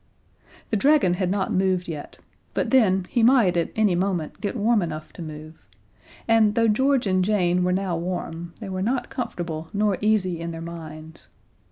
The dragon had not moved yet but then he might at any moment get warm enough to move, and though George and Jane were now warm they were not comfortable nor easy in their minds.